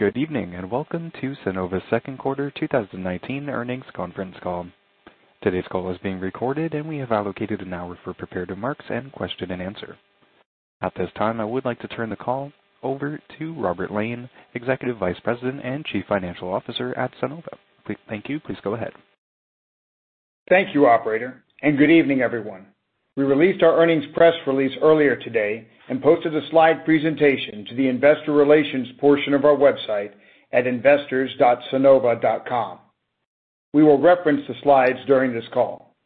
Good evening, and welcome to Sunnova's second quarter 2019 earnings conference call. Today's call is being recorded and we have allocated an hour for prepared remarks and question and answer. At this time, I would like to turn the call over to Robert Lane, Executive Vice President and Chief Financial Officer at Sunnova. Thank you. Please go ahead. Thank you, operator, and good evening, everyone. We released our earnings press release earlier today and posted a slide presentation to the investor relations portion of our website at investors.sunnova.com. We will reference the slides during this call.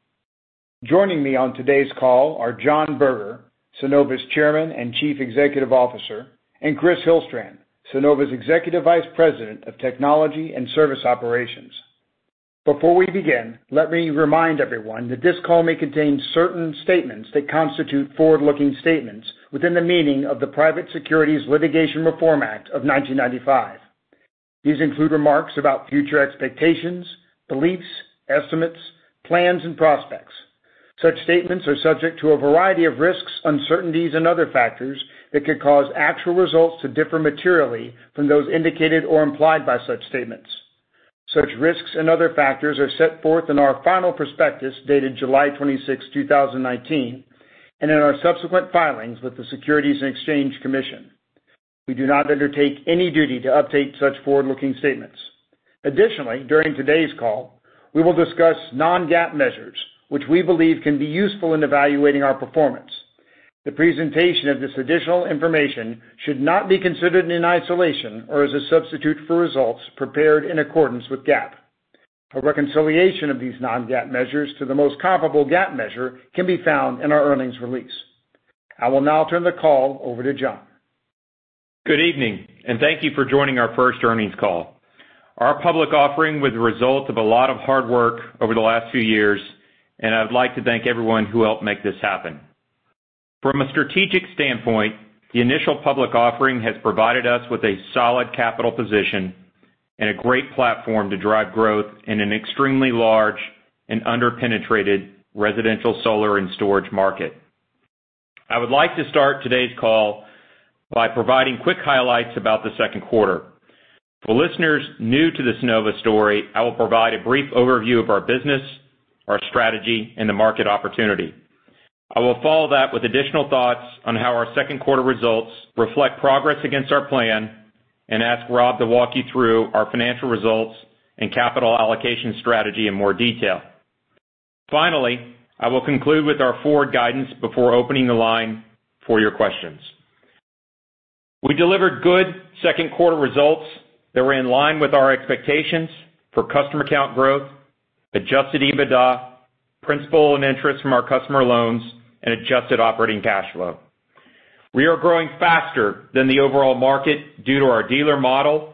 Joining me on today's call are John Berger, Sunnova's Chairman and Chief Executive Officer, and Kris Hillstrand, Sunnova's Executive Vice President of Technology and Service Operations. Before we begin, let me remind everyone that this call may contain certain statements that constitute forward-looking statements within the meaning of the Private Securities Litigation Reform Act of 1995. These include remarks about future expectations, beliefs, estimates, plans, and prospects. Such statements are subject to a variety of risks, uncertainties, and other factors that could cause actual results to differ materially from those indicated or implied by such statements. Such risks and other factors are set forth in our final prospectus, dated July 26th, 2019, and in our subsequent filings with the Securities and Exchange Commission. We do not undertake any duty to update such forward-looking statements. Additionally, during today's call, we will discuss non-GAAP measures which we believe can be useful in evaluating our performance. The presentation of this additional information should not be considered in isolation or as a substitute for results prepared in accordance with GAAP. A reconciliation of these non-GAAP measures to the most comparable GAAP measure can be found in our earnings release. I will now turn the call over to John. Good evening, and thank you for joining our first earnings call. Our public offering was the result of a lot of hard work over the last few years, and I would like to thank everyone who helped make this happen. From a strategic standpoint, the initial public offering has provided us with a solid capital position and a great platform to drive growth in an extremely large and under-penetrated residential solar and storage market. I would like to start today's call by providing quick highlights about the second quarter. For listeners new to the Sunnova story, I will provide a brief overview of our business, our strategy, and the market opportunity. I will follow that with additional thoughts on how our second quarter results reflect progress against our plan and ask Rob to walk you through our financial results and capital allocation strategy in more detail. Finally, I will conclude with our forward guidance before opening the line for your questions. We delivered good second quarter results that were in line with our expectations for customer count growth, Adjusted EBITDA, principal and interest from our customer loans, and adjusted operating cash flow. We are growing faster than the overall market due to our dealer model,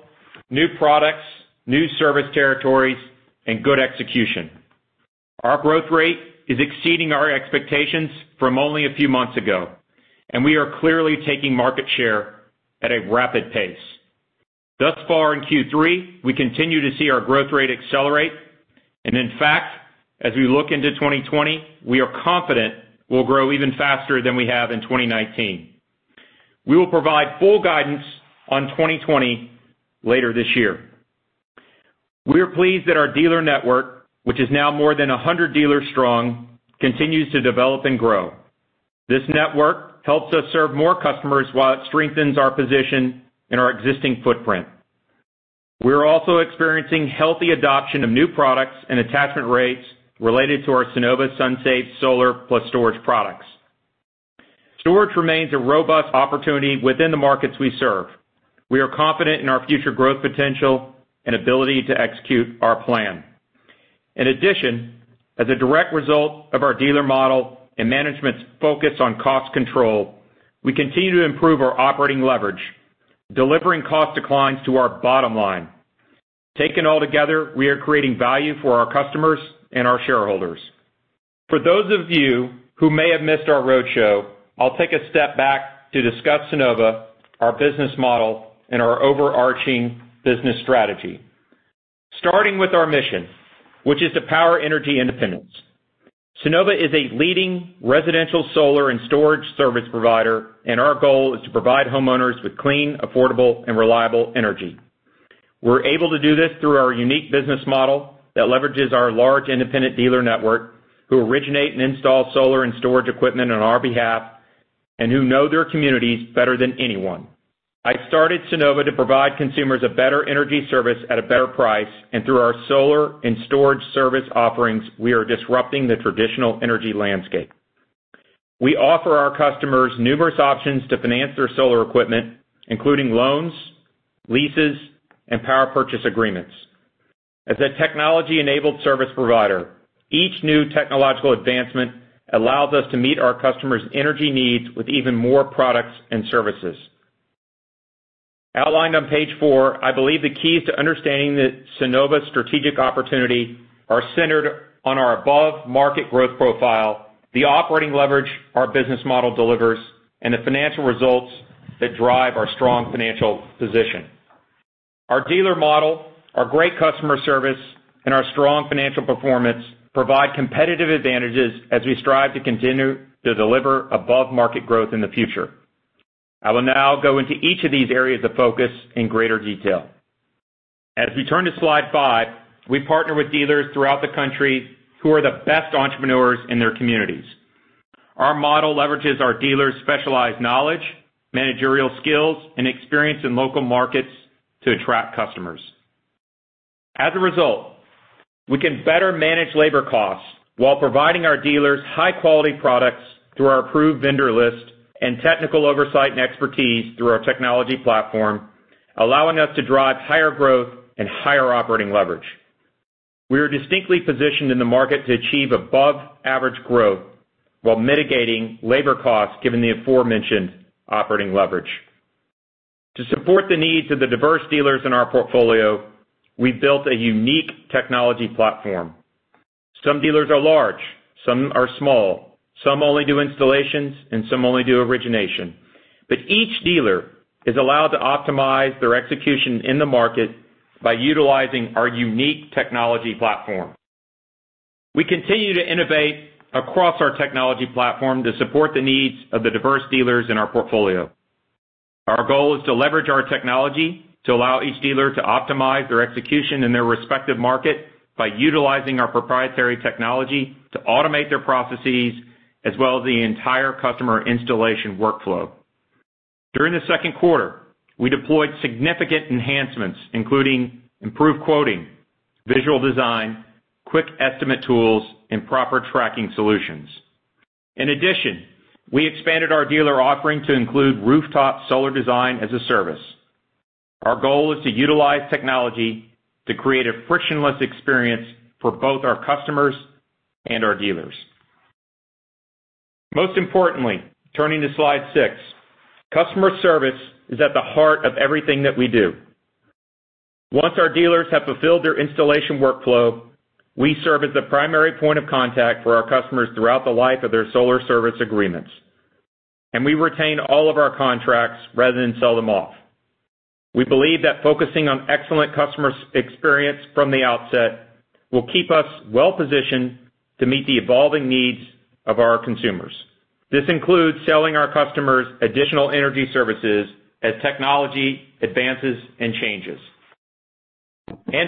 new products, new service territories, and good execution. Our growth rate is exceeding our expectations from only a few months ago, and we are clearly taking market share at a rapid pace. Thus far in Q3, we continue to see our growth rate accelerate, and in fact, as we look into 2020, we are confident we'll grow even faster than we have in 2019. We will provide full guidance on 2020 later this year. We are pleased that our dealer network, which is now more than 100 dealers strong, continues to develop and grow. This network helps us serve more customers while it strengthens our position and our existing footprint. We are also experiencing healthy adoption of new products and attachment rates related to our Sunnova SunSafe Solar + Storage products. Storage remains a robust opportunity within the markets we serve. We are confident in our future growth potential and ability to execute our plan. In addition, as a direct result of our dealer model and management's focus on cost control, we continue to improve our operating leverage, delivering cost declines to our bottom line. Taken all together, we are creating value for our customers and our shareholders. For those of you who may have missed our roadshow, I will take a step back to discuss Sunnova, our business model, and our overarching business strategy. Starting with our mission, which is to power energy independence. Sunnova is a leading residential solar and storage service provider. Our goal is to provide homeowners with clean, affordable, and reliable energy. We're able to do this through our unique business model that leverages our large independent dealer network, who originate and install solar and storage equipment on our behalf and who know their communities better than anyone. I started Sunnova to provide consumers a better energy service at a better price, through our solar and storage service offerings, we are disrupting the traditional energy landscape. We offer our customers numerous options to finance their solar equipment, including loans, leases, and power purchase agreements. As a technology-enabled service provider, each new technological advancement allows us to meet our customers' energy needs with even more products and services. Outlined on page four, I believe the keys to understanding the Sunnova strategic opportunity are centered on our above-market growth profile, the operating leverage our business model delivers, and the financial results that drive our strong financial position. Our dealer model, our great customer service, and our strong financial performance provide competitive advantages as we strive to continue to deliver above-market growth in the future. I will now go into each of these areas of focus in greater detail. As we turn to slide five, we partner with dealers throughout the country who are the best entrepreneurs in their communities. Our model leverages our dealers' specialized knowledge, managerial skills, and experience in local markets to attract customers. As a result, we can better manage labor costs while providing our dealers high-quality products through our approved vendor list and technical oversight and expertise through our technology platform, allowing us to drive higher growth and higher operating leverage. We are distinctly positioned in the market to achieve above-average growth while mitigating labor costs, given the aforementioned operating leverage. To support the needs of the diverse dealers in our portfolio, we've built a unique technology platform. Some dealers are large, some are small, some only do installations, and some only do origination. Each dealer is allowed to optimize their execution in the market by utilizing our unique technology platform. We continue to innovate across our technology platform to support the needs of the diverse dealers in our portfolio. Our goal is to leverage our technology to allow each dealer to optimize their execution in their respective market by utilizing our proprietary technology to automate their processes as well as the entire customer installation workflow. During the second quarter, we deployed significant enhancements, including improved quoting, visual design, quick estimate tools, and proper tracking solutions. In addition, we expanded our dealer offering to include rooftop solar design as a service. Our goal is to utilize technology to create a frictionless experience for both our customers and our dealers. Most importantly, turning to slide six, customer service is at the heart of everything that we do. Once our dealers have fulfilled their installation workflow, we serve as the primary point of contact for our customers throughout the life of their solar service agreements. We retain all of our contracts rather than sell them off. We believe that focusing on excellent customer experience from the outset will keep us well-positioned to meet the evolving needs of our consumers. This includes selling our customers additional energy services as technology advances and changes.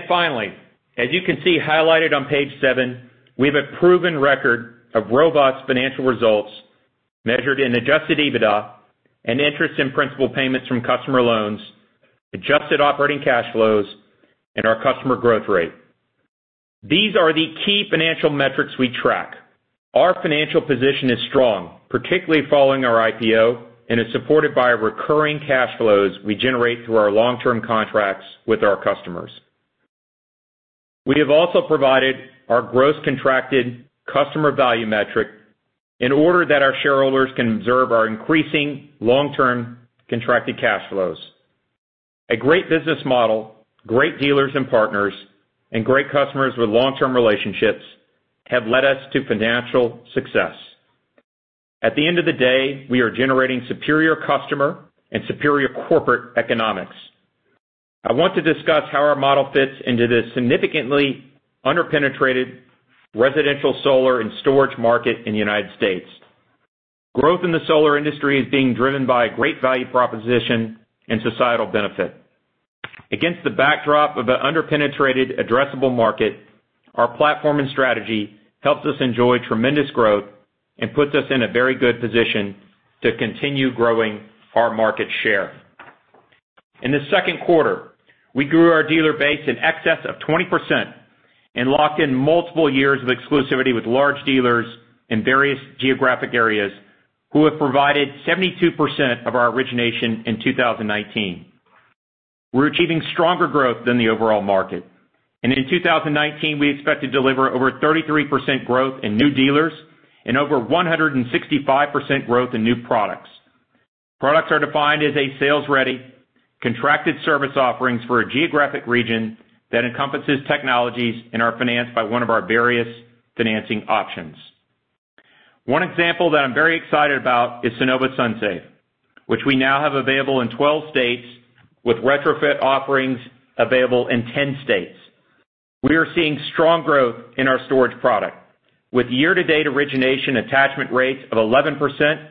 Finally, as you can see highlighted on page seven, we have a proven record of robust financial results measured in Adjusted EBITDA and interest in principal payments from customer loans, adjusted operating cash flows, and our customer growth rate. These are the key financial metrics we track. Our financial position is strong, particularly following our IPO, and is supported by recurring cash flows we generate through our long-term contracts with our customers. We have also provided our gross contracted customer value metric in order that our shareholders can observe our increasing long-term contracted cash flows. A great business model, great dealers and partners, and great customers with long-term relationships have led us to financial success. At the end of the day, we are generating superior customer and superior corporate economics. I want to discuss how our model fits into this significantly under-penetrated residential solar and storage market in the United States. Growth in the solar industry is being driven by a great value proposition and societal benefit. Against the backdrop of an under-penetrated addressable market, our platform and strategy helps us enjoy tremendous growth and puts us in a very good position to continue growing our market share. In the second quarter, we grew our dealer base in excess of 20% and locked in multiple years of exclusivity with large dealers in various geographic areas who have provided 72% of our origination in 2019. We're achieving stronger growth than the overall market, and in 2019, we expect to deliver over 33% growth in new dealers and over 165% growth in new products. Products are defined as a sales-ready, contracted service offerings for a geographic region that encompasses technologies and are financed by one of our various financing options. One example that I'm very excited about is Sunnova SunSafe, which we now have available in 12 states with retrofit offerings available in 10 states. We are seeing strong growth in our storage product with year-to-date origination attachment rates of 11%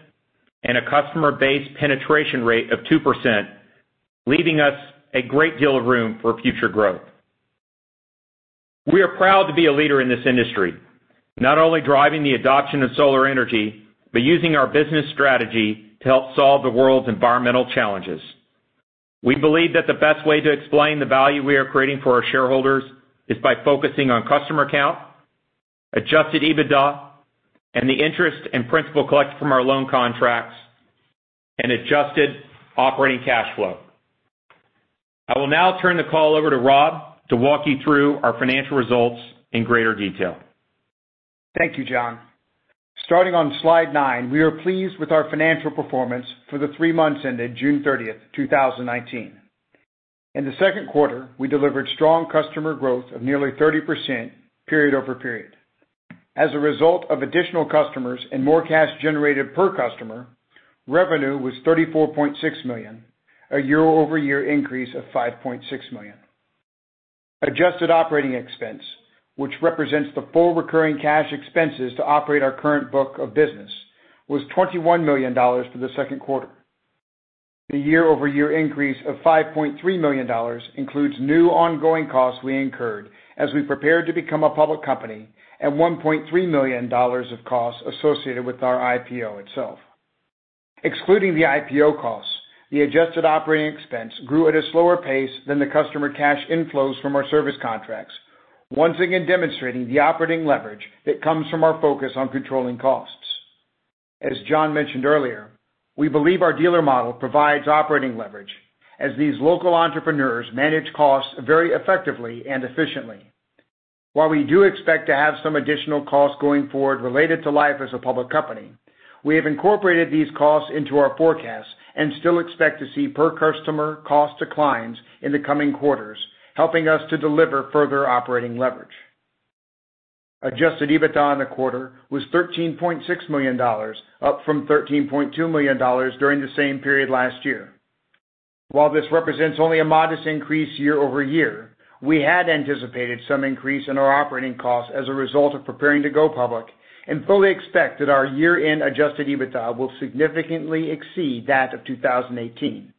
and a customer base penetration rate of 2%, leaving us a great deal of room for future growth. We are proud to be a leader in this industry, not only driving the adoption of solar energy, but using our business strategy to help solve the world's environmental challenges. We believe that the best way to explain the value we are creating for our shareholders is by focusing on customer count, Adjusted EBITDA, and the interest and principal collected from our loan contracts, and adjusted operating cash flow. I will now turn the call over to Rob to walk you through our financial results in greater detail. Thank you, John. Starting on slide nine, we are pleased with our financial performance for the three months ended June 30th, 2019. In the second quarter, we delivered strong customer growth of nearly 30% period-over-period. As a result of additional customers and more cash generated per customer, revenue was $34.6 million, a year-over-year increase of $5.6 million. Adjusted operating expense, which represents the full recurring cash expenses to operate our current book of business, was $21 million for the second quarter. The year-over-year increase of $5.3 million includes new ongoing costs we incurred as we prepared to become a public company, and $1.3 million of costs associated with our IPO itself. Excluding the IPO costs, the adjusted operating expense grew at a slower pace than the customer cash inflows from our service contracts, once again demonstrating the operating leverage that comes from our focus on controlling costs. As John mentioned earlier, we believe our dealer model provides operating leverage as these local entrepreneurs manage costs very effectively and efficiently. While we do expect to have some additional costs going forward related to life as a public company, we have incorporated these costs into our forecasts and still expect to see per customer cost declines in the coming quarters, helping us to deliver further operating leverage. Adjusted EBITDA in the quarter was $13.6 million, up from $13.2 million during the same period last year. While this represents only a modest increase year-over-year, we had anticipated some increase in our operating costs as a result of preparing to go public and fully expect that our year-end Adjusted EBITDA will significantly exceed that of 2018.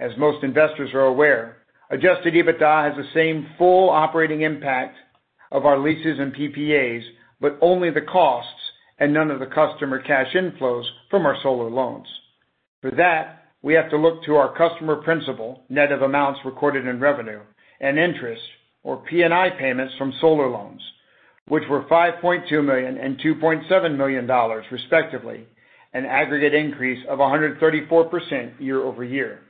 As most investors are aware, Adjusted EBITDA has the same full operating impact of our leases and PPAs, but only the costs and none of the customer cash inflows from our solar loans. For that, we have to look to our customer principal, net of amounts recorded in revenue and interest, or P&I payments from solar loans, which were $5.2 million and $2.7 million, respectively, an aggregate increase of 134% year-over-year.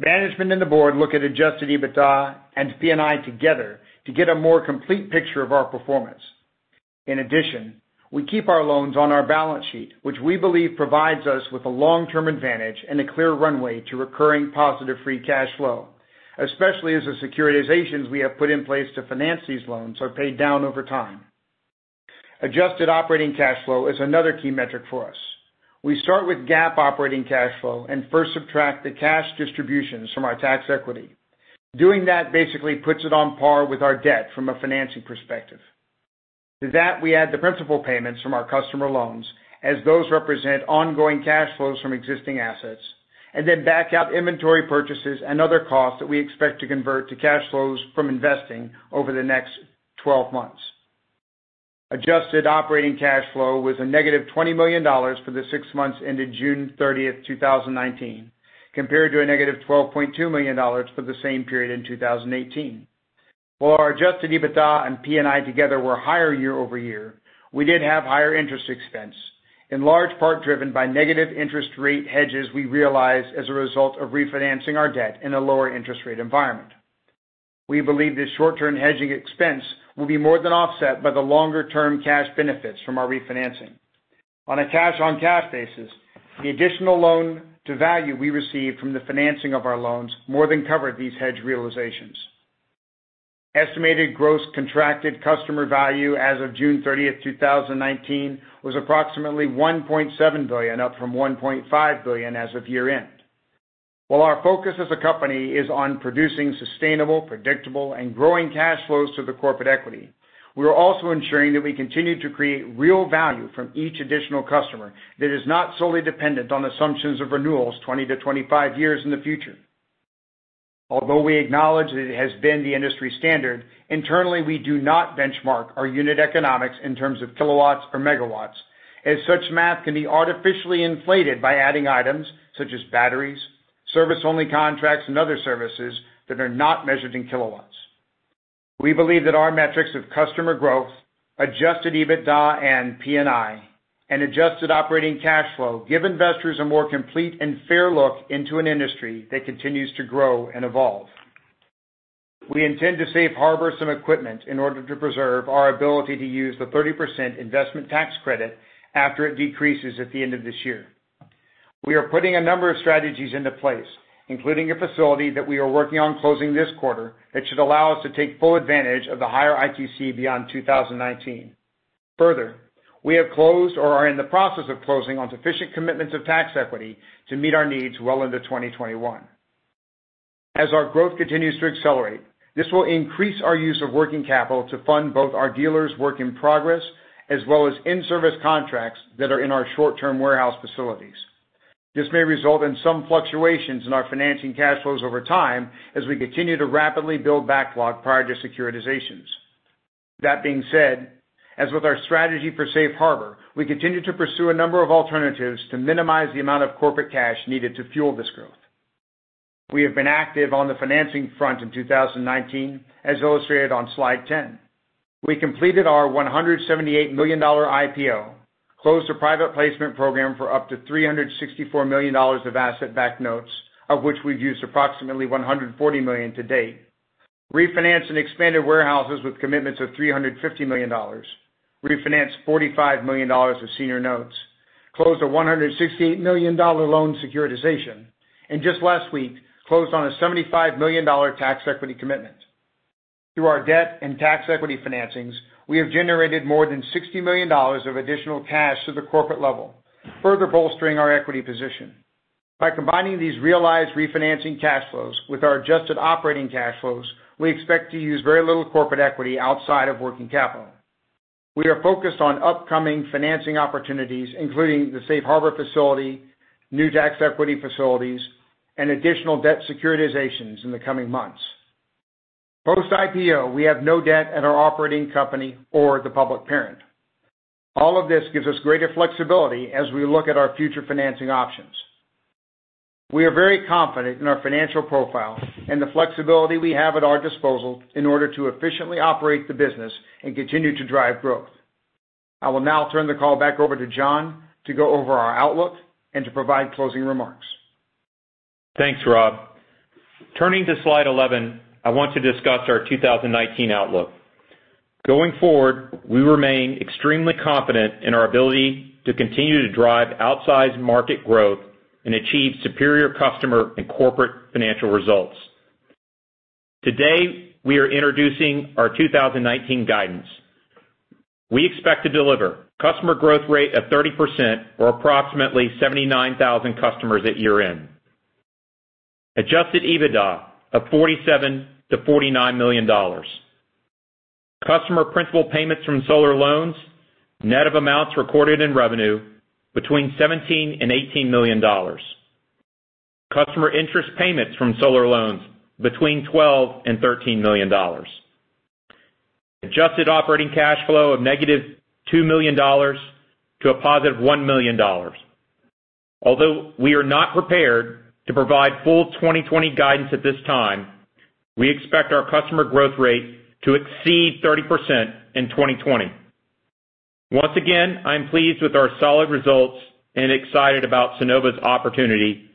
Management and the board look at Adjusted EBITDA and P&I together to get a more complete picture of our performance. In addition, we keep our loans on our balance sheet, which we believe provides us with a long-term advantage and a clear runway to recurring positive free cash flow, especially as the securitizations we have put in place to finance these loans are paid down over time. adjusted operating cash flow is another key metric for us. We start with GAAP operating cash flow and first subtract the cash distributions from our tax equity. Doing that basically puts it on par with our debt from a financing perspective. To that, we add the principal payments from our customer loans, as those represent ongoing cash flows from existing assets, and then back out inventory purchases and other costs that we expect to convert to cash flows from investing over the next 12 months. adjusted operating cash flow was a negative $20 million for the six months ended June 30th, 2019, compared to a negative $12.2 million for the same period in 2018. While our Adjusted EBITDA and P&I together were higher year-over-year, we did have higher interest expense, in large part driven by negative interest rate hedges we realized as a result of refinancing our debt in a lower interest rate environment. We believe this short-term hedging expense will be more than offset by the longer-term cash benefits from our refinancing. On a cash-on-cash basis, the additional loan to value we received from the financing of our loans more than covered these hedge realizations. Estimated gross contracted customer value as of June 30th, 2019, was approximately $1.7 billion, up from $1.5 billion as of year-end. While our focus as a company is on producing sustainable, predictable, and growing cash flows to the corporate equity, we are also ensuring that we continue to create real value from each additional customer that is not solely dependent on assumptions of renewals 20-25 years in the future. Although we acknowledge that it has been the industry standard, internally, we do not benchmark our unit economics in terms of kilowatts or megawatts, as such math can be artificially inflated by adding items such as batteries, service-only contracts, and other services that are not measured in kilowatts. We believe that our metrics of customer growth, Adjusted EBITDA and P&I, and adjusted operating cash flow give investors a more complete and fair look into an industry that continues to grow and evolve. We intend to safe harbor some equipment in order to preserve our ability to use the 30% investment tax credit after it decreases at the end of this year. We are putting a number of strategies into place, including a facility that we are working on closing this quarter that should allow us to take full advantage of the higher ITC beyond 2019. Further, we have closed or are in the process of closing on sufficient commitments of tax equity to meet our needs well into 2021. As our growth continues to accelerate, this will increase our use of working capital to fund both our dealers' work in progress, as well as in-service contracts that are in our short-term warehouse facilities. This may result in some fluctuations in our financing cash flows over time as we continue to rapidly build backlog prior to securitizations. That being said, as with our strategy for safe harbor, we continue to pursue a number of alternatives to minimize the amount of corporate cash needed to fuel this growth. We have been active on the financing front in 2019, as illustrated on slide 10. We completed our $178 million IPO, closed a private placement program for up to $364 million of asset-backed notes, of which we've used approximately $140 million to date, refinanced and expanded warehouses with commitments of $350 million, refinanced $45 million of senior notes, closed a $168 million loan securitization, and just last week, closed on a $75 million tax equity commitment. Through our debt and tax equity financings, we have generated more than $60 million of additional cash to the corporate level, further bolstering our equity position. By combining these realized refinancing cash flows with our adjusted operating cash flows, we expect to use very little corporate equity outside of working capital. We are focused on upcoming financing opportunities, including the safe harbor facility, new tax equity facilities, and additional debt securitizations in the coming months. Post IPO, we have no debt at our operating company or the public parent. All of this gives us greater flexibility as we look at our future financing options. We are very confident in our financial profile and the flexibility we have at our disposal in order to efficiently operate the business and continue to drive growth. I will now turn the call back over to John to go over our outlook and to provide closing remarks. Thanks, Rob. Turning to slide 11, I want to discuss our 2019 outlook. Going forward, we remain extremely confident in our ability to continue to drive outsized market growth and achieve superior customer and corporate financial results. Today, we are introducing our 2019 guidance. We expect to deliver customer growth rate of 30% or approximately 79,000 customers at year-end. Adjusted EBITDA of $47 million-$49 million. Customer principal payments from solar loans, net of amounts recorded in revenue between $17 million and $18 million. Customer interest payments from solar loans between $12 million and $13 million. Adjusted operating cash flow of negative $2 million to a positive $1 million. Although we are not prepared to provide full 2020 guidance at this time, we expect our customer growth rate to exceed 30% in 2020. Once again, I'm pleased with our solid results and excited about Sunnova's opportunity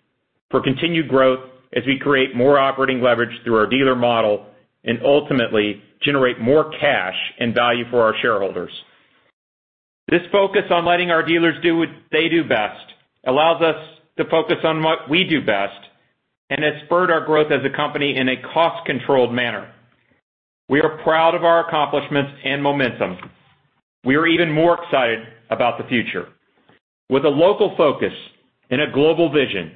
for continued growth as we create more operating leverage through our dealer model, and ultimately generate more cash and value for our shareholders. This focus on letting our dealers do what they do best allows us to focus on what we do best, and has spurred our growth as a company in a cost-controlled manner. We are proud of our accomplishments and momentum. We are even more excited about the future. With a local focus and a global vision,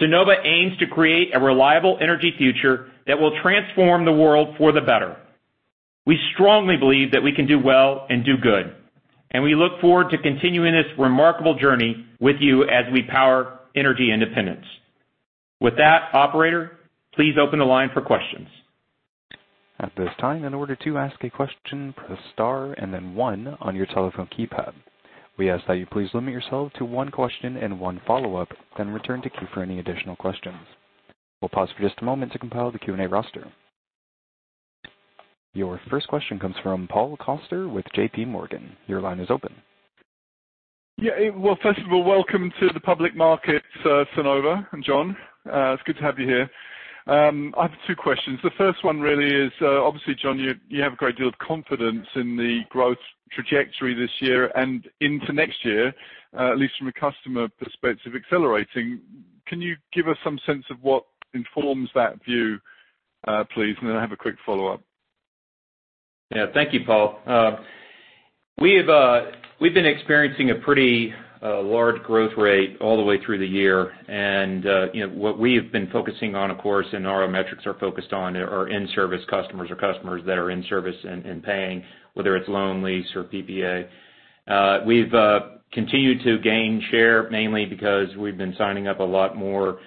Sunnova aims to create a reliable energy future that will transform the world for the better. We strongly believe that we can do well and do good, and we look forward to continuing this remarkable journey with you as we power energy independence. With that, operator, please open the line for questions. At this time, in order to ask a question, press star and then one on your telephone keypad. We ask that you please limit yourself to one question and one follow-up, then return to queue for any additional questions. We'll pause for just a moment to compile the Q&A roster. Your first question comes from Paul Coster with J.P. Morgan. Your line is open. Well, first of all, welcome to the public market, Sunnova and John. It's good to have you here. I have two questions. The first one really is, obviously, John, you have a great deal of confidence in the growth trajectory this year and into next year, at least from a customer perspective, accelerating. Can you give us some sense of what informs that view, please? I have a quick follow-up. Thank you, Paul. We've been experiencing a pretty large growth rate all the way through the year. What we have been focusing on, of course, and our metrics are focused on are in-service customers or customers that are in service and paying, whether it's loan, lease or PPA. We've continued to gain share, mainly because we've been signing up a lot more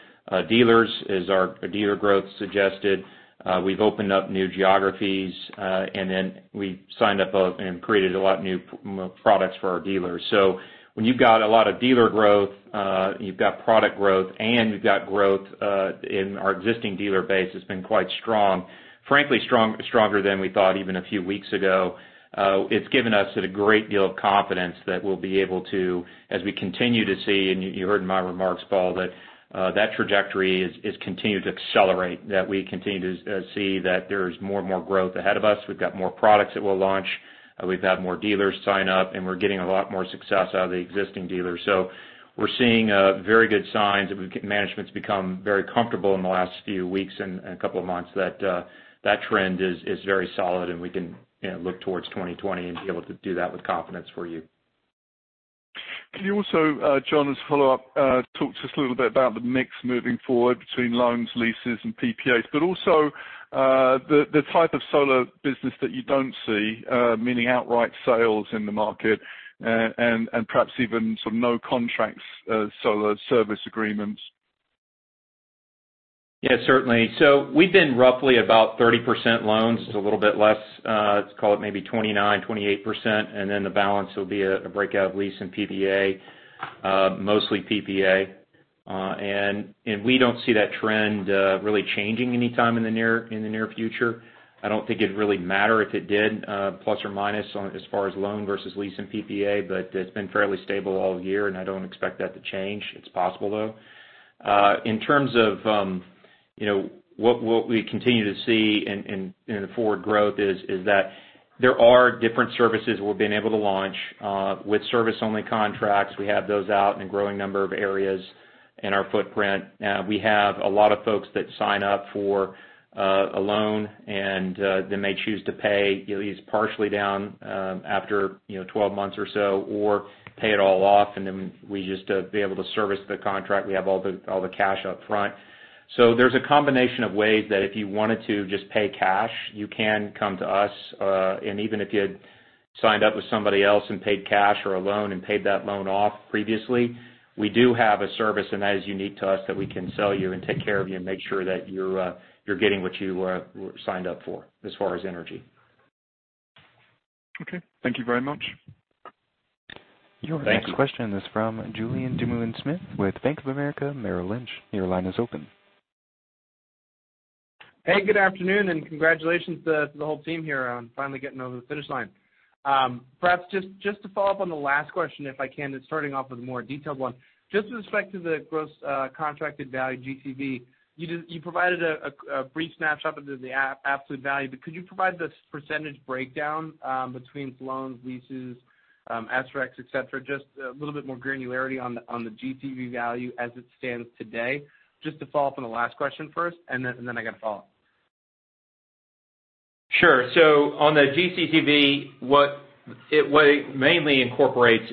dealers, as our dealer growth suggested. We've opened up new geographies, and then we signed up and created a lot of new products for our dealers. When you've got a lot of dealer growth, you've got product growth, and you've got growth in our existing dealer base has been quite strong. Frankly, stronger than we thought even a few weeks ago. It's given us a great deal of confidence that we'll be able to, as we continue to see, and you heard in my remarks, Paul, that trajectory has continued to accelerate. We continue to see that there's more and more growth ahead of us. We've got more products that we'll launch. We've had more dealers sign up, and we're getting a lot more success out of the existing dealers. We're seeing very good signs that management's become very comfortable in the last few weeks and couple of months that trend is very solid, and we can look towards 2020 and be able to do that with confidence for you. Can you also, John, as a follow-up, talk to us a little bit about the mix moving forward between loans, leases and PPAs. Also the type of solar business that you don't see, meaning outright sales in the market and perhaps even some no contracts solar service agreements. Certainly. We've been roughly about 30% loans. It's a little bit less, let's call it maybe 29%, 28%. The balance will be a breakout of lease and PPA, mostly PPA. We don't see that trend really changing anytime in the near future. I don't think it'd really matter if it did, plus or minus as far as loan versus lease and PPA, but it's been fairly stable all year, and I don't expect that to change. It's possible, though. In terms of what we continue to see in the forward growth is that there are different services we've been able to launch. With service-only contracts, we have those out in a growing number of areas in our footprint. We have a lot of folks that sign up for a loan, and they may choose to pay at least partially down after 12 months or so, or pay it all off. We just be able to service the contract. We have all the cash up front. There's a combination of ways that if you wanted to just pay cash, you can come to us. Even if you had signed up with somebody else and paid cash or a loan and paid that loan off previously, we do have a service, and that is unique to us, that we can sell you and take care of you and make sure that you're getting what you signed up for as far as energy. Okay. Thank you very much. Thank you. Your next question is from Julien Dumoulin-Smith with Bank of America Merrill Lynch. Your line is open. Hey, good afternoon, congratulations to the whole team here on finally getting over the finish line. Perhaps just to follow up on the last question, if I can, and starting off with a more detailed one. Just with respect to the gross contracted value, GCV, you provided a brief snapshot of the absolute value, but could you provide the % breakdown between loans, leases, SRECs, et cetera? Just a little bit more granularity on the GCV value as it stands today. Just to follow up on the last question first, and then I got a follow-up. Sure. On the GCCV, what it mainly incorporates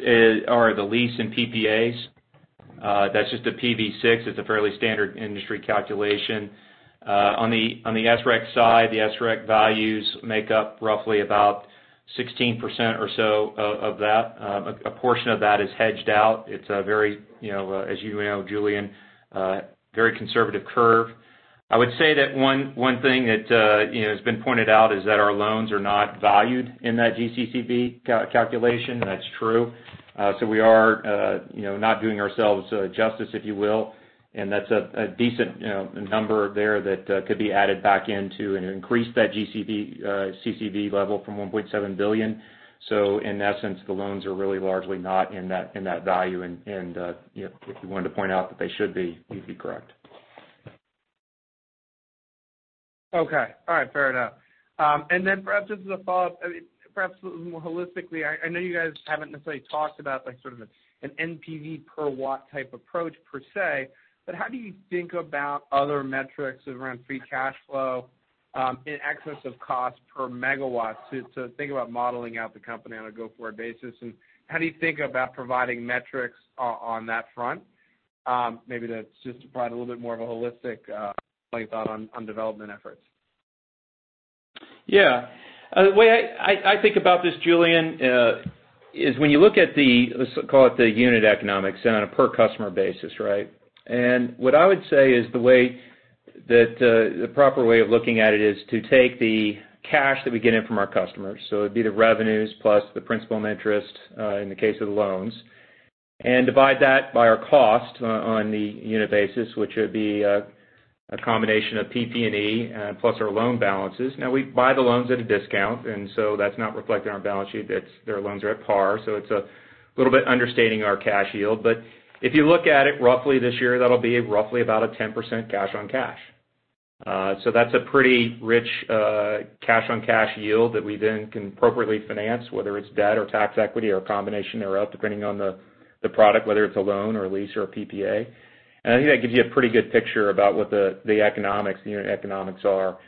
are the lease and PPAs. That's just a PV6. It's a fairly standard industry calculation. On the SREC side, the SREC values make up roughly about 16% or so of that. A portion of that is hedged out. It's a very, as you know, Julien, conservative curve. I would say that one thing that has been pointed out is that our loans are not valued in that GCCV calculation. That's true. We are not doing ourselves justice, if you will. That's a decent number there that could be added back in to increase that GCCV level from $1.7 billion. In that sense, the loans are really largely not in that value. If you wanted to point out that they should be, you'd be correct. Okay. All right. Fair enough. Then perhaps just as a follow-up, perhaps more holistically, I know you guys haven't necessarily talked about sort of an NPV per watt type approach per se, but how do you think about other metrics around free cash flow in excess of cost per megawatt to think about modeling out the company on a go-forward basis? How do you think about providing metrics on that front? Maybe that's just to provide a little bit more of a holistic play thought on development efforts. Yeah. The way I think about this, Julien, is when you look at the, let's call it the unit economics and on a per customer basis, right? What I would say is the proper way of looking at it is to take the cash that we get in from our customers, so it'd be the revenues plus the principal and interest in the case of the loans, and divide that by our cost on the unit basis, which would be a combination of PP&E plus our loan balances. Now, we buy the loans at a discount, and so that's not reflected on our balance sheet. The loans are at par, so it's a little bit understating our cash yield. If you look at it roughly this year, that'll be roughly about a 10% cash on cash. That's a pretty rich cash on cash yield that we then can appropriately finance, whether it's debt or tax equity or a combination thereof, depending on the product, whether it's a loan or a lease or a PPA. I think that gives you a pretty good picture about what the unit economics are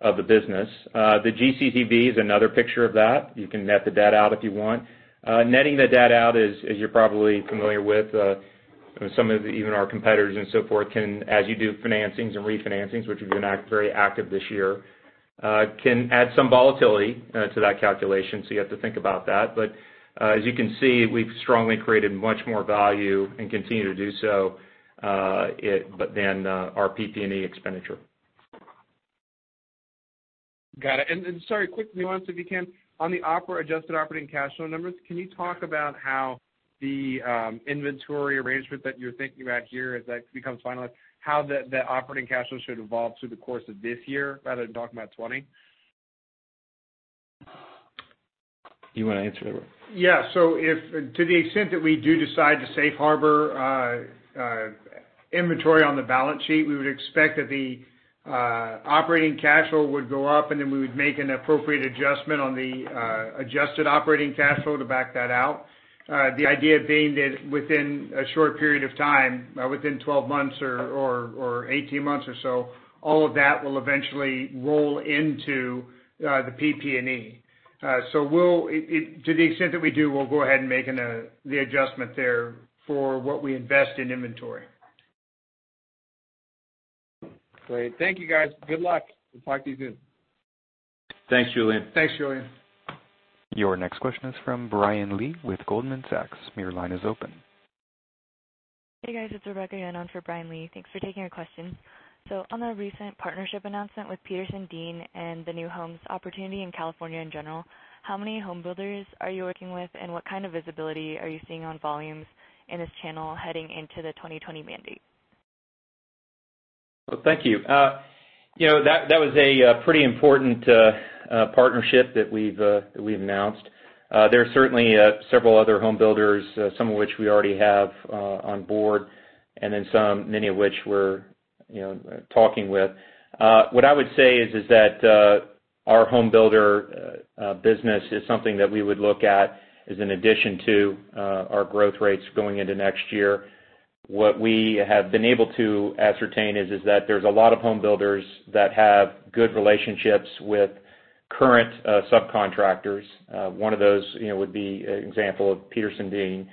of the business. The GCV is another picture of that. You can net the debt out if you want. Netting the debt out is, as you're probably familiar with some of even our competitors and so forth, can add some volatility to that calculation. You have to think about that. As you can see, we've strongly created much more value and continue to do so than our PP&E expenditure. Got it. Sorry, quick nuance, if you can. On the adjusted operating cash flow numbers, can you talk about how the inventory arrangement that you're thinking about here as that becomes finalized, how the operating cash flow should evolve through the course of this year rather than talking about 2020? You want to answer that one? To the extent that we do decide to safe harbor inventory on the balance sheet, we would expect that the operating cash flow would go up and then we would make an appropriate adjustment on the adjusted operating cash flow to back that out. The idea being that within a short period of time, within 12 months or 18 months or so, all of that will eventually roll into the PP&E. To the extent that we do, we'll go ahead and make the adjustment there for what we invest in inventory. Great. Thank you guys. Good luck. We'll talk to you soon. Thanks, Julien. Thanks, Julien. Your next question is from Brian Lee with Goldman Sachs. Your line is open. Hey, guys. It's Rebecca again on for Brian Lee. Thanks for taking our question. On the recent partnership announcement with PetersenDean and the new homes opportunity in California in general, how many home builders are you working with, and what kind of visibility are you seeing on volumes in this channel heading into the 2020 mandate? Thank you. That was a pretty important partnership that we've announced. There are certainly several other home builders, some of which we already have on board, and then some, many of which we're talking with. What I would say is that our home builder business is something that we would look at as an addition to our growth rates going into next year. What we have been able to ascertain is that there's a lot of home builders that have good relationships with current subcontractors. One of those would be an example of PetersenDean.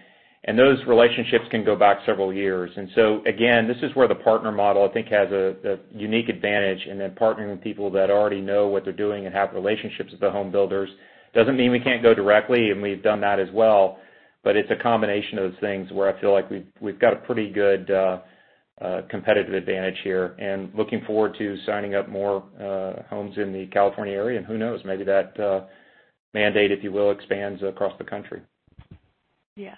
Those relationships can go back several years. Again, this is where the partner model, I think, has a unique advantage in that partnering with people that already know what they're doing and have relationships with the home builders. Doesn't mean we can't go directly, and we've done that as well, but it's a combination of those things where I feel like we've got a pretty good competitive advantage here, and looking forward to signing up more homes in the California area. Who knows? Maybe that mandate, if you will, expands across the country. Yeah.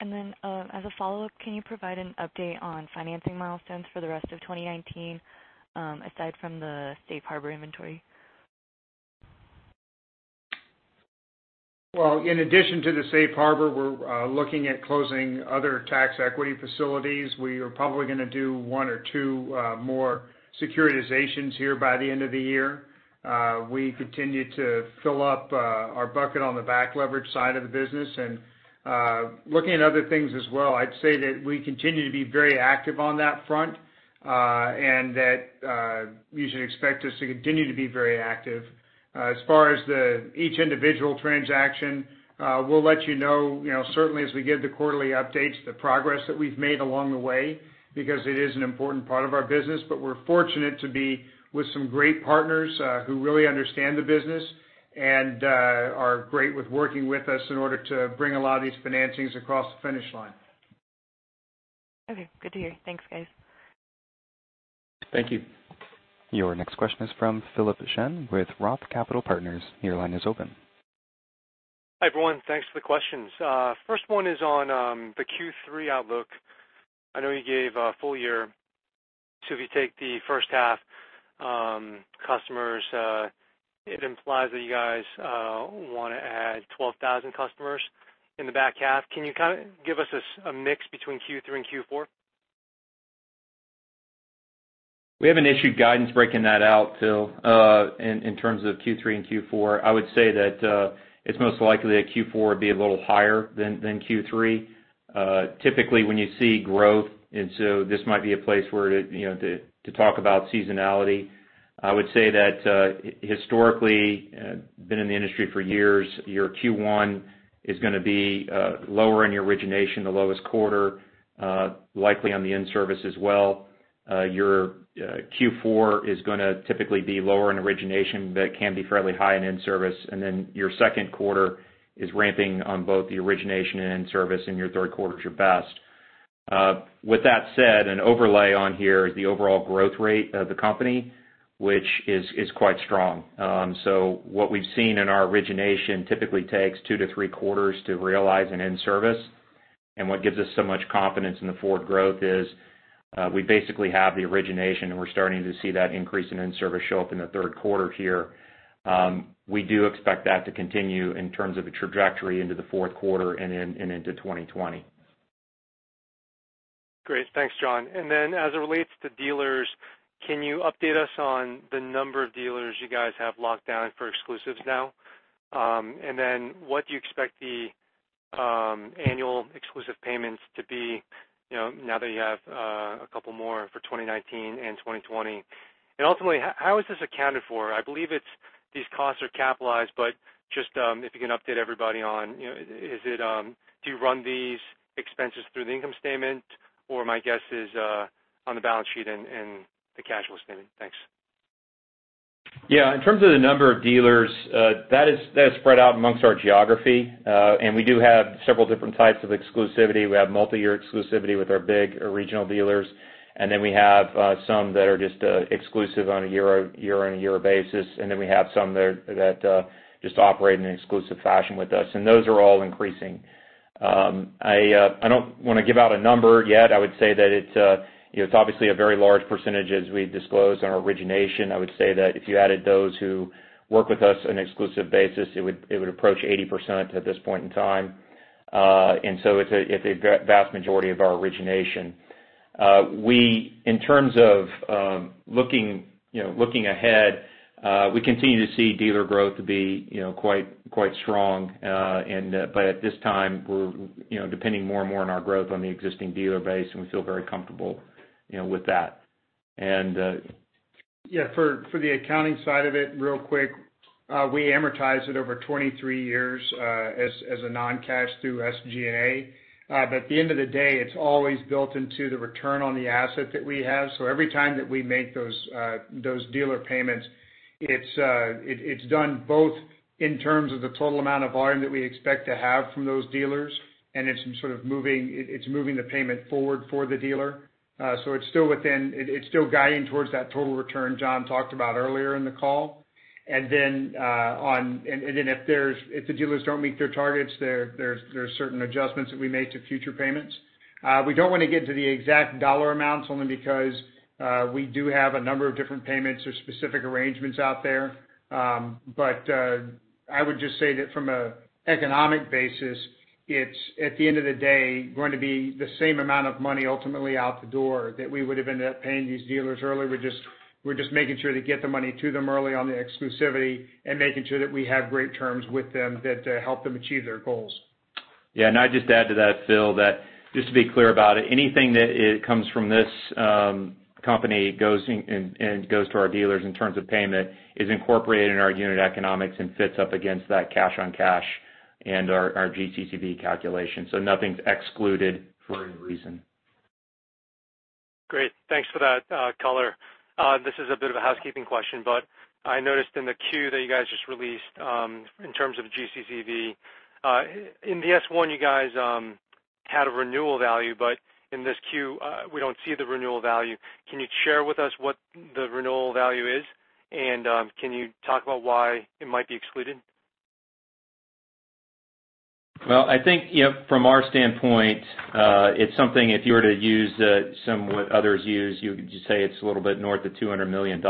Then, as a follow-up, can you provide an update on financing milestones for the rest of 2019, aside from the safe harbor inventory? Well, in addition to the safe harbor, we're looking at closing other tax equity facilities. We are probably going to do one or two more securitizations here by the end of the year. We continue to fill up our bucket on the back leverage side of the business and looking at other things as well. I'd say that we continue to be very active on that front, and that you should expect us to continue to be very active. As far as each individual transaction, we'll let you know, certainly as we give the quarterly updates, the progress that we've made along the way, because it is an important part of our business. We're fortunate to be with some great partners who really understand the business and are great with working with us in order to bring a lot of these financings across the finish line. Okay. Good to hear. Thanks, guys. Thank you. Your next question is from Philip Shen with ROTH Capital Partners. Your line is open. Hi, everyone. Thanks for the questions. First one is on the Q3 outlook. I know you gave a full year. If you take the first half customers, it implies that you guys want to add 12,000 customers in the back half. Can you kind of give us a mix between Q3 and Q4? We haven't issued guidance breaking that out, Phil, in terms of Q3 and Q4. I would say that it's most likely that Q4 would be a little higher than Q3. Typically, when you see growth, this might be a place where to talk about seasonality. I would say that historically, been in the industry for years, your Q1 is going to be lower in your origination, the lowest quarter, likely on the in-service as well. Your Q4 is going to typically be lower in origination, but can be fairly high in in-service, and then your second quarter is ramping on both the origination and in-service, and your third quarter is your best. With that said, an overlay on here is the overall growth rate of the company, which is quite strong. What we've seen in our origination typically takes two to three quarters to realize an in-service. What gives us so much confidence in the forward growth is we basically have the origination, and we're starting to see that increase in in-service show up in the third quarter here. We do expect that to continue in terms of the trajectory into the fourth quarter and into 2020. Great. Thanks, John. As it relates to dealers, can you update us on the number of dealers you guys have locked down for exclusives now? What do you expect the annual exclusive payments to be, now that you have a couple more for 2019 and 2020? Ultimately, how is this accounted for? I believe these costs are capitalized, but just if you can update everybody on, do you run these expenses through the income statement? My guess is on the balance sheet and the cash flow statement. Thanks. Yeah. In terms of the number of dealers, that is spread out amongst our geography. We do have several different types of exclusivity. We have multi-year exclusivity with our big regional dealers, and then we have some that are just exclusive on a year-on-year basis, and then we have some that just operate in an exclusive fashion with us, and those are all increasing. I don't want to give out a number yet. I would say that it's obviously a very large percentage as we disclose on origination. I would say that if you added those who work with us on an exclusive basis, it would approach 80% at this point in time. It's a vast majority of our origination. In terms of looking ahead, we continue to see dealer growth be quite strong. At this time, we're depending more and more on our growth on the existing dealer base, and we feel very comfortable with that. Yeah, for the accounting side of it, real quick, we amortize it over 23 years as a non-cash through SG&A. At the end of the day, it's always built into the return on the asset that we have. Every time that we make those dealer payments, it's done both in terms of the total amount of volume that we expect to have from those dealers, and it's moving the payment forward for the dealer. It's still guiding towards that total return John talked about earlier in the call. If the dealers don't meet their targets, there's certain adjustments that we make to future payments. We don't want to get into the exact dollar amounts only because we do have a number of different payments or specific arrangements out there. I would just say that from an economic basis, it's at the end of the day, going to be the same amount of money ultimately out the door that we would have ended up paying these dealers earlier. We're just making sure to get the money to them early on the exclusivity and making sure that we have great terms with them that help them achieve their goals. Yeah. I'd just add to that, Phil, that just to be clear about it, anything that comes from this company goes to our dealers in terms of payment is incorporated in our unit economics and fits up against that cash-on-cash and our GCV calculation. Nothing's excluded for any reason. Great. Thanks for that color. This is a bit of a housekeeping question, but I noticed in the Q that you guys just released, in terms of GCV. In the S1, you guys had a renewal value, but in this Q, we don't see the renewal value. Can you share with us what the renewal value is? Can you talk about why it might be excluded? Well, I think from our standpoint, it's something if you were to use some what others use, you would just say it's a little bit north of $200 million.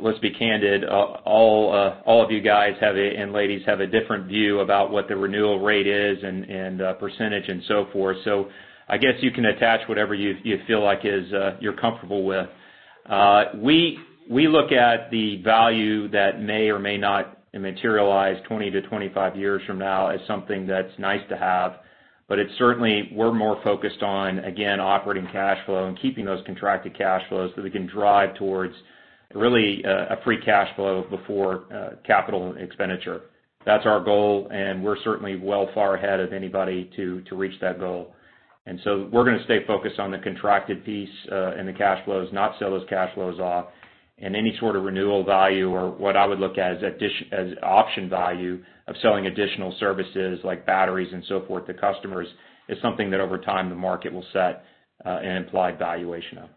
Let's be candid, all of you guys and ladies have a different view about what the renewal rate is and percentage and so forth. I guess you can attach whatever you feel like you're comfortable with. We look at the value that may or may not materialize 20-25 years from now as something that's nice to have, but it's certainly we're more focused on, again, operating cash flow and keeping those contracted cash flows so we can drive towards really a free cash flow before capital expenditure. That's our goal, and we're certainly well far ahead of anybody to reach that goal. We're going to stay focused on the contracted piece and the cash flows, not sell those cash flows off. Any sort of renewal value or what I would look at as option value of selling additional services like batteries and so forth to customers is something that over time the market will set an implied valuation of.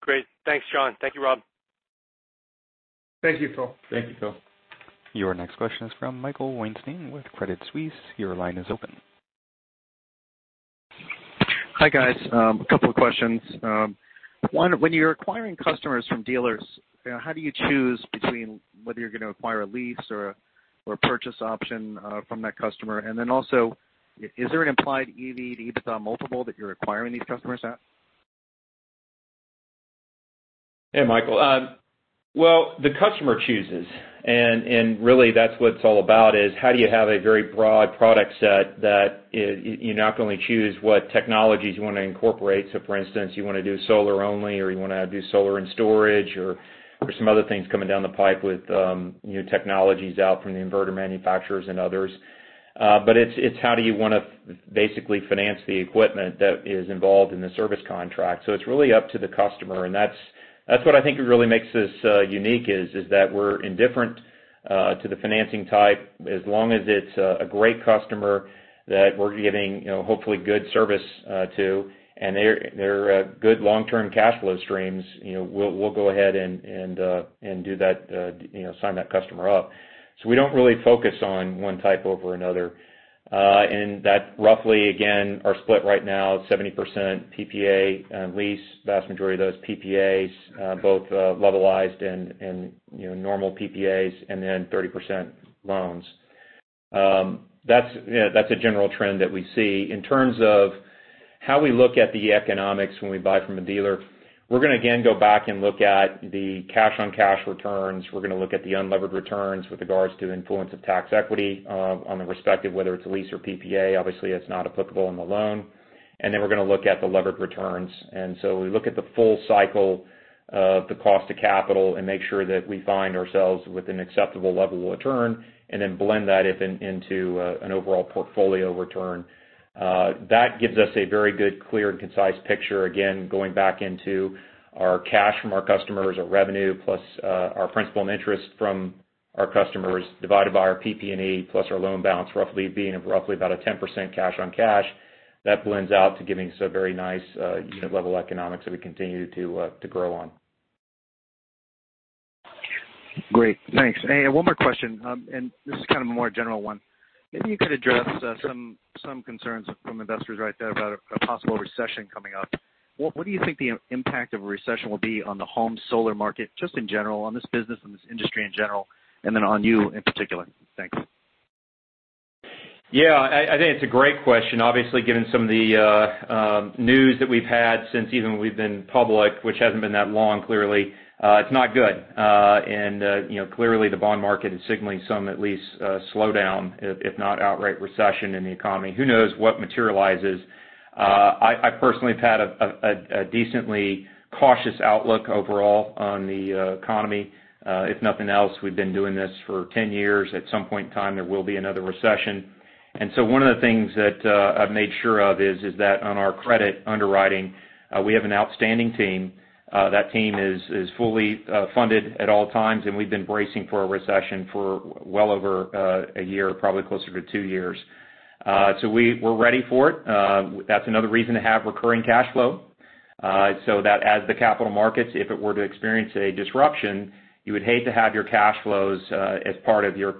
Great. Thanks, John. Thank you, Rob. Thank you, Phil. Thank you, Phil. Your next question is from Michael Weinstein with Credit Suisse. Your line is open. Hi, guys. A couple of questions. One, when you're acquiring customers from dealers, how do you choose between whether you're going to acquire a lease or a purchase option from that customer? Then also, is there an implied EV-to-EBITDA multiple that you're acquiring these customers at? Hey, Michael. Well, the customer chooses, and really that's what it's all about is how do you have a very broad product set that you not only choose what technologies you want to incorporate. For instance, you want to do solar only, or you want to do solar and storage or some other things coming down the pipe with new technologies out from the inverter manufacturers and others. It's how do you want to basically finance the equipment that is involved in the service contract. It's really up to the customer, and that's what I think really makes us unique is that we're indifferent to the financing type as long as it's a great customer that we're giving hopefully good service to, and they're a good long-term cash flow streams. We'll go ahead and do that, sign that customer up. We don't really focus on one type over another. That roughly, again, are split right now, 70% PPA and lease. Vast majority of those PPAs, both levelized and normal PPAs, and then 30% loans. That's a general trend that we see. In terms of how we look at the economics when we buy from a dealer, we're going to again go back and look at the cash-on-cash returns. We're going to look at the unlevered returns with regards to influence of tax equity on the respective, whether it's a lease or PPA. Obviously, it's not applicable in the loan. We're going to look at the levered returns. We look at the full cycle of the cost of capital and make sure that we find ourselves with an acceptable level of return and then blend that into an overall portfolio return. That gives us a very good, clear, and concise picture. Again, going back into our cash from our customers, our revenue plus our Principal and Interest from our customers divided by our PP&E plus our loan balance roughly being about a 10% cash on cash. That blends out to giving us a very nice unit level economics that we continue to grow on. Great, thanks. One more question, and this is kind of a more general one. Maybe you could address some concerns from investors right there about a possible recession coming up. What do you think the impact of a recession will be on the home solar market, just in general, on this business and this industry in general, and then on you in particular? Thanks. Yeah, I think it's a great question. Obviously, given some of the news that we've had since even we've been public, which hasn't been that long, clearly, it's not good. Clearly the bond market is signaling some at least slowdown, if not outright recession in the economy. Who knows what materializes? I personally have had a decently cautious outlook overall on the economy. If nothing else, we've been doing this for 10 years. At some point in time, there will be another recession. One of the things that I've made sure of is that on our credit underwriting, we have an outstanding team. That team is fully funded at all times, and we've been bracing for a recession for well over a year, probably closer to 2 years. We're ready for it. That's another reason to have recurring cash flow, so that as the capital markets if it were to experience a disruption, you would hate to have your cash flows as part of your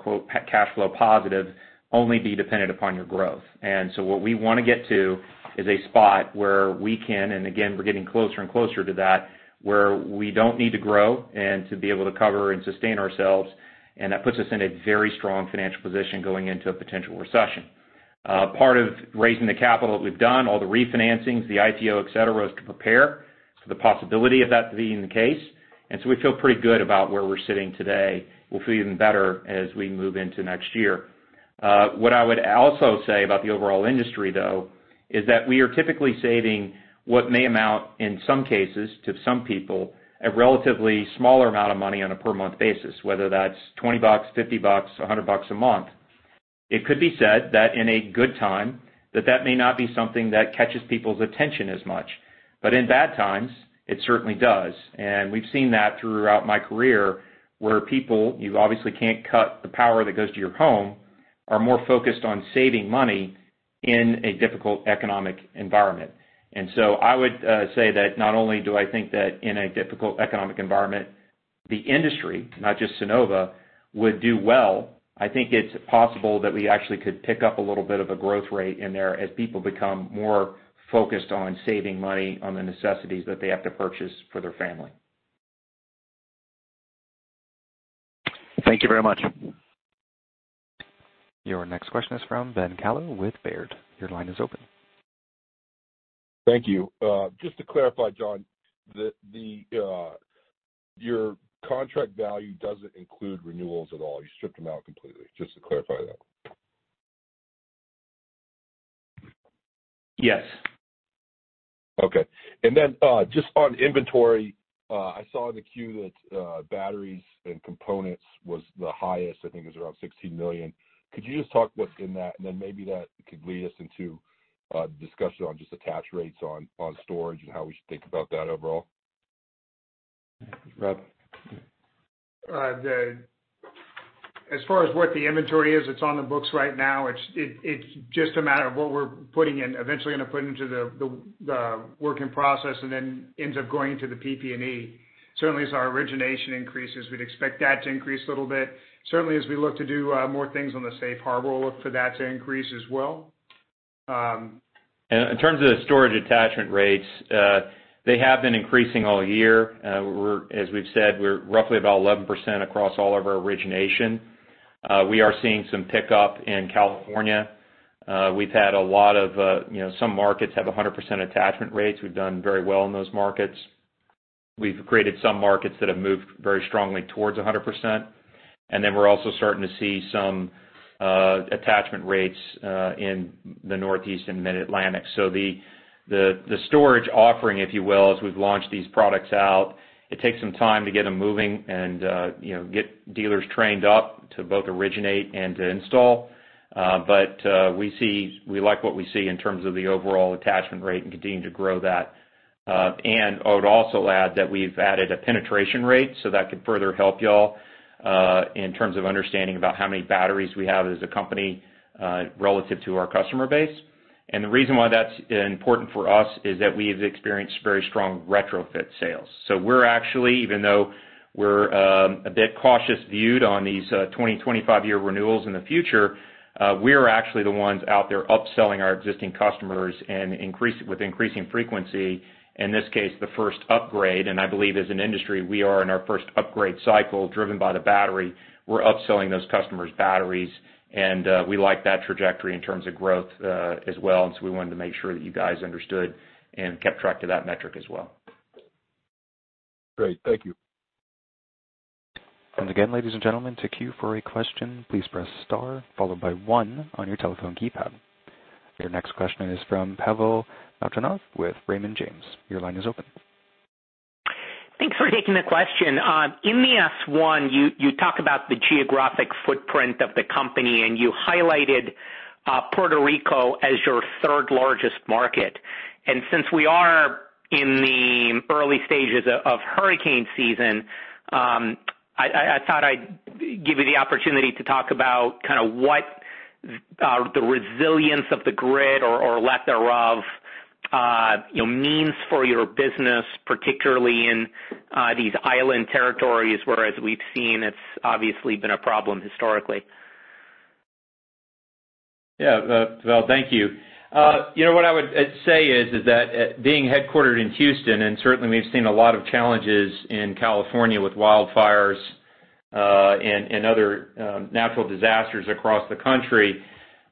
"cash flow positive" only be dependent upon your growth. What we want to get to is a spot where we can, and again, we're getting closer and closer to that, where we don't need to grow and to be able to cover and sustain ourselves, and that puts us in a very strong financial position going into a potential recession. Part of raising the capital that we've done, all the refinancings, the IPO, et cetera, is to prepare for the possibility of that being the case. We feel pretty good about where we're sitting today. We'll feel even better as we move into next year. What I would also say about the overall industry, though, is that we are typically saving what may amount, in some cases, to some people, a relatively smaller amount of money on a per month basis, whether that's $20, $50, $100 a month. It could be said that in a good time, that that may not be something that catches people's attention as much, but in bad times, it certainly does. We've seen that throughout my career, where people, you obviously can't cut the power that goes to your home, are more focused on saving money in a difficult economic environment. I would say that not only do I think that in a difficult economic environment, the industry, not just Sunnova, would do well, I think it's possible that we actually could pick up a little bit of a growth rate in there as people become more focused on saving money on the necessities that they have to purchase for their family. Thank you very much. Your next question is from Ben Kallo with Baird. Your line is open. Thank you. Just to clarify, John, your contract value doesn't include renewals at all. You stripped them out completely. Just to clarify that. Yes. Okay. Just on inventory, I saw in the Q that batteries and components was the highest, I think it was around $16 million. Could you just talk what's in that? Maybe that could lead us into a discussion on just attach rates on storage and how we should think about that overall. Rob? As far as what the inventory is, it's on the books right now. It's just a matter of what we're putting in. Eventually, we're going to put into the working process, then ends up going to the PP&E. Certainly, as our origination increases, we'd expect that to increase a little bit. Certainly, as we look to do more things on the safe harbor, we'll look for that to increase as well. In terms of the storage attachment rates, they have been increasing all year. As we've said, we're roughly about 11% across all of our origination. We are seeing some pickup in California. Some markets have 100% attachment rates. We've done very well in those markets. We've created some markets that have moved very strongly towards 100%. We're also starting to see some attachment rates in the Northeast and mid-Atlantic. The storage offering, if you will, as we've launched these products out, it takes some time to get them moving and get dealers trained up to both originate and to install. But we like what we see in terms of the overall attachment rate and continuing to grow that. I would also add that we've added a penetration rate, so that could further help you all in terms of understanding about how many batteries we have as a company relative to our customer base. The reason why that's important for us is that we have experienced very strong retrofit sales. We're actually, even though we're a bit cautious viewed on these 20, 25-year renewals in the future, we are actually the ones out there upselling our existing customers with increasing frequency. In this case, the first upgrade, and I believe as an industry, we are in our first upgrade cycle driven by the battery. We're upselling those customers batteries, and we like that trajectory in terms of growth as well, and so we wanted to make sure that you guys understood and kept track of that metric as well. Great. Thank you. Again, ladies and gentlemen, to queue for a question, please press star followed by one on your telephone keypad. Your next question is from Pavel Molchanov with Raymond James. Your line is open. Thanks for taking the question. In the S1, you talk about the geographic footprint of the company, you highlighted Puerto Rico as your third-largest market. Since we are in the early stages of hurricane season, I thought I'd give you the opportunity to talk about what the resilience of the grid or lack thereof means for your business, particularly in these island territories, whereas we've seen it's obviously been a problem historically. Yeah. Well, thank you. What I would say is that being headquartered in Houston, and certainly we've seen a lot of challenges in California with wildfires and other natural disasters across the country,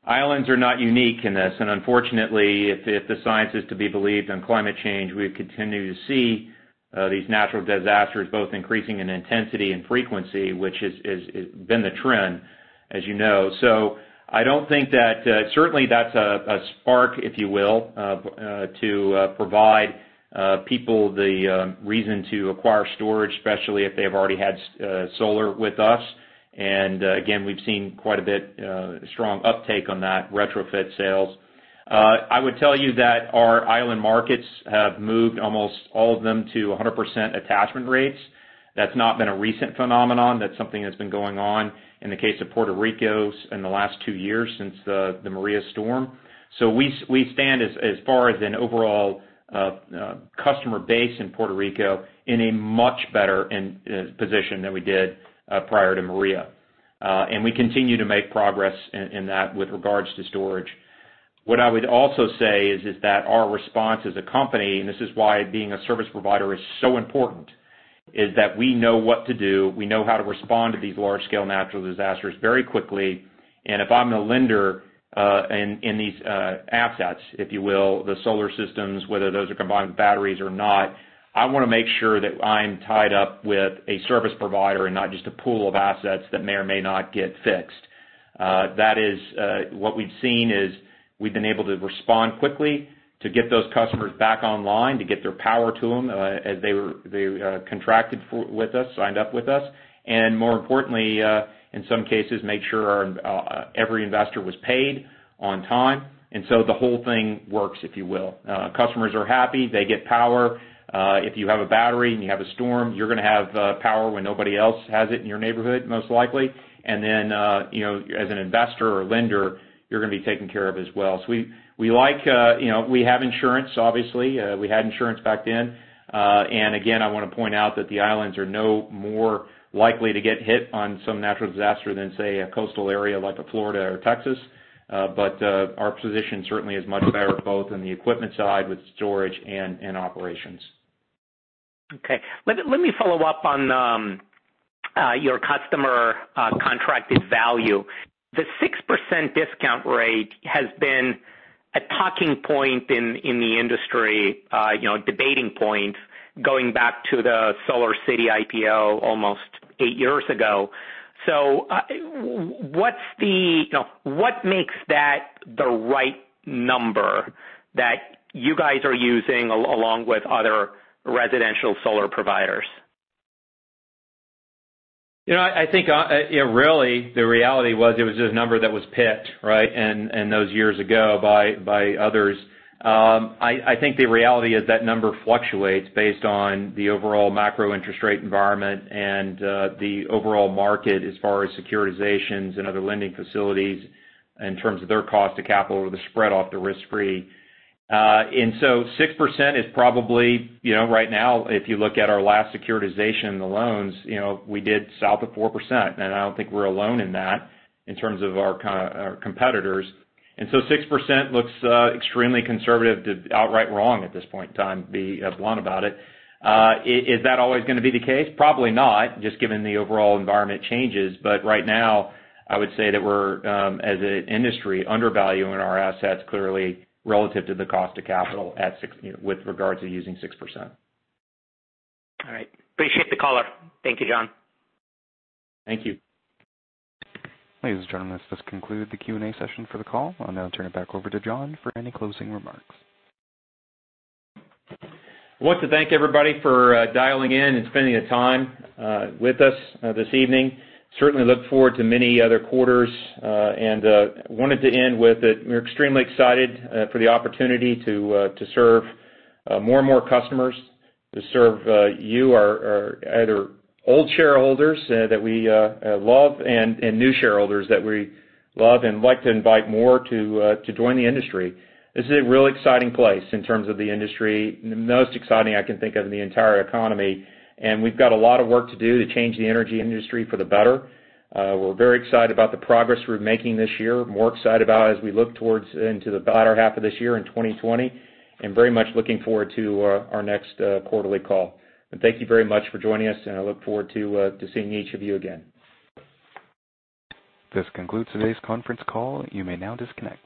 islands are not unique in this. Unfortunately, if the science is to be believed on climate change, we continue to see these natural disasters both increasing in intensity and frequency, which has been the trend, as you know. I don't think that certainly that's a spark if you will to provide people the reason to acquire storage, especially if they've already had solar with us. Again, we've seen quite a bit strong uptake on that retrofit sales. I would tell you that our island markets have moved almost all of them to 100% attachment rates. That's not been a recent phenomenon. That's something that's been going on in the case of Puerto Rico's in the last two years since the Maria storm. We stand as far as an overall customer base in Puerto Rico in a much better position than we did prior to Maria. We continue to make progress in that with regards to storage. What I would also say is that our response as a company, and this is why being a service provider is so important is that we know what to do. We know how to respond to these large-scale natural disasters very quickly. If I'm the lender, in these assets, if you will, the solar systems, whether those are combined with batteries or not, I want to make sure that I'm tied up with a service provider and not just a pool of assets that may or may not get fixed. What we've seen is we've been able to respond quickly to get those customers back online, to get their power to them, as they contracted with us, signed up with us. More importantly, in some cases, make sure every investor was paid on time. The whole thing works, if you will. Customers are happy. They get power. If you have a battery and you have a storm, you're going to have power when nobody else has it in your neighborhood, most likely. As an investor or lender, you're going to be taken care of as well. We have insurance, obviously. We had insurance back then. I want to point out that the islands are no more likely to get hit on some natural disaster than, say, a coastal area like a Florida or Texas. Our position certainly is much better both on the equipment side with storage and operations. Okay. Let me follow up on your customer contracted value. The 6% discount rate has been a talking point in the industry, debating point going back to the SolarCity IPO almost eight years ago. What makes that the right number that you guys are using along with other residential solar providers? I think really the reality was it was just a number that was pitched, right? Those years ago by others. I think the reality is that number fluctuates based on the overall macro interest rate environment and the overall market as far as securitizations and other lending facilities in terms of their cost of capital or the spread off the risk-free. 6% is probably, right now if you look at our last securitization in the loans, we did south of 4%, and I don't think we're alone in that in terms of our competitors. 6% looks extremely conservative to outright wrong at this point in time, to be blunt about it. Is that always going to be the case? Probably not, just given the overall environment changes. Right now, I would say that we're as an industry undervaluing our assets clearly relative to the cost of capital with regards to using 6%. All right. Appreciate the color. Thank you, John. Thank you. Ladies and gentlemen, this does conclude the Q&A session for the call. I'll now turn it back over to John for any closing remarks. I want to thank everybody for dialing in and spending the time with us this evening. Certainly look forward to many other quarters. Wanted to end with that we're extremely excited for the opportunity to serve more and more customers, to serve you, our either old shareholders that we love and new shareholders that we love and like to invite more to join the industry. This is a real exciting place in terms of the industry. The most exciting I can think of in the entire economy. We've got a lot of work to do to change the energy industry for the better. We're very excited about the progress we're making this year, more excited about it as we look towards into the latter half of this year in 2020, and very much looking forward to our next quarterly call. Thank you very much for joining us, and I look forward to seeing each of you again. This concludes today's conference call. You may now disconnect.